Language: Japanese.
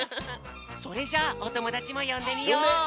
それじゃあおともだちもよんでみよう！